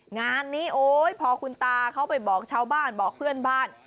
งานนี้โอ๊ยพอคุณตาเขาไปบอกชาวบ้านบอกเพื่อนบ้าน